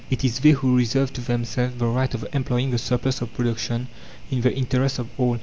It is they who reserve to themselves the right of employing the surplus of production in the interests of all.